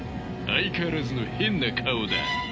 相変わらずの変な顔だ。